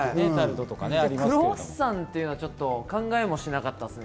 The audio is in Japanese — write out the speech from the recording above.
クロワッサンっていうのはちょっと考えもしなかったっす。